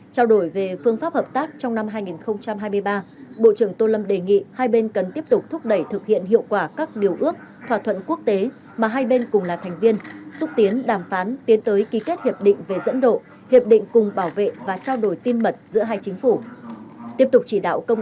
trao đổi về phương pháp hợp tác trong năm hai nghìn hai mươi ba bộ trưởng tô lâm đề nghị hai bên cần tiếp tục thúc đẩy thực hiện hiệu quả các điều ước thỏa thuận quốc tế mà hai bên cùng là thành viên xúc tiến đàm phán tiến tới ký kết hiệp định về dẫn độ hiệp định cùng bảo vệ và trao đổi tin mật giữa hai chính phủ